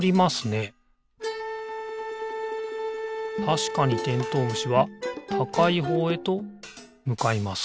たしかにてんとうむしはたかいほうへとむかいます。